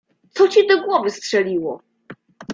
"Co ci do głowy strzeliło?!"